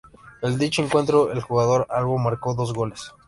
En dicho encuentro el jugador albo marcó dos goles.